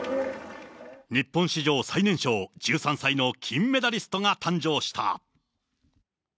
日本史上最年少、１３歳の金メダリストが誕生した。